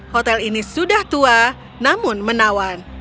hotel ini sudah tua namun menawan